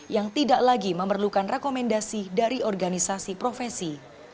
yang tidak lagi memerlukan rekomendasi dari organisasi profesi